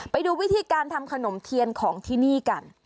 ไปดูวิธีการทำขนมเทียนของที่นี่กัน